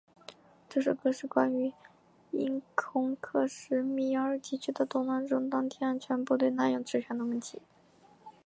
这首歌是关于印控克什米尔地区的动乱中当地安全部队滥用职权的问题。